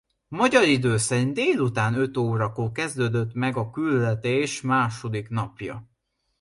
Magyar idő szerint délután öt órakor kezdődött meg a küldetés második napja.